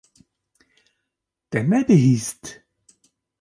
Te nebihîst.